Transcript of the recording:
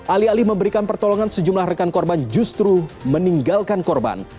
alih alih memberikan pertolongan sejumlah rekan korban justru meninggalkan korban